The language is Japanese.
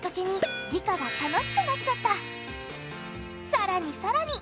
さらにさらに！